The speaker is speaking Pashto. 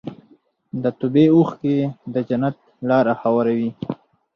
د توبې اوښکې د جنت لاره هواروي.